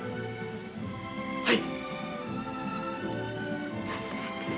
はい。